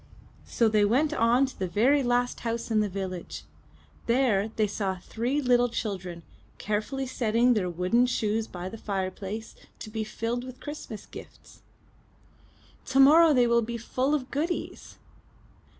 So they went on to the very last house in the village. There they saw three little children carefully setting their wooden shoes by the fireplace, to be filled with Christmas gifts. * Tomorrow they will be full of goodies!